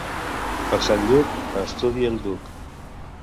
Per Sant Lluc, a estudi el duc.